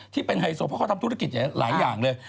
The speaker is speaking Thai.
ที่เป็นไฮโซเพราะเขาทำธุรกิจหลายอย่างเลย